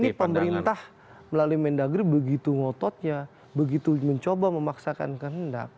ini pemerintah melalui mendagri begitu ngototnya begitu mencoba memaksakan kehendak